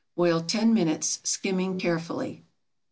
Boil ten minutes, skimming carefully.